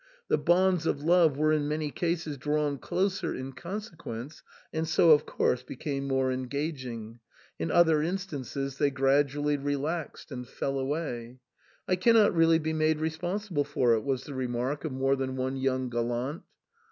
The bonds of love were in many cases drawn closer in consequence, and so of course became more engaging ; in other instances they gradually relaxed and fell away. " I cannot really be made responsible for it," was the remark of more than one young gallant.